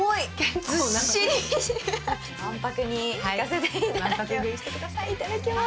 わんぱくにいかせていただきます、いただきます。